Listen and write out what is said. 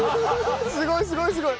すごいすごいすごい！